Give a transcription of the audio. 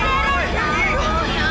lo jangan bego deh deren